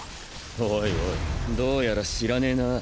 おいおいどうやら知らねえな！？